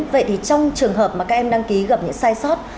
vậy thì trong trường hợp mà các em đăng ký gặp những sai sót